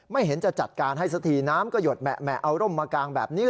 เห็นจะจัดการให้สักทีน้ำก็หยดแหมะเอาร่มมากางแบบนี้